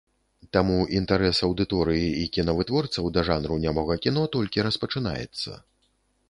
Таму інтарэс аўдыторыі і кінавытворцаў да жанру нямога кіно толькі распачынаецца.